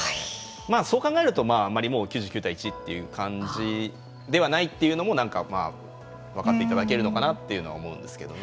そう考えると、あんまり９９対１っていう感じではないというのも分かっていただけるのかなというのは思うんですけどね。